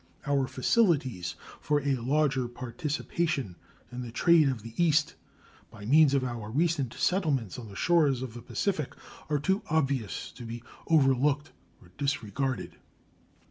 Our facilities for a larger participation in the trade of the East, by means of our recent settlements on the shores of the Pacific, are too obvious to be overlooked or disregarded.